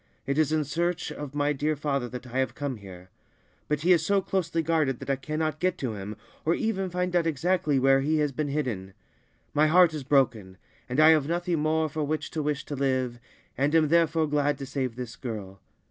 It is in search of my dear father that I have come here ; but he is so closely guarded that I cannot get to him, or even find out exactly where he has been hidden. My heart is broken, and I have nothing more for which to wish to live, and am therefore glad to save this girl.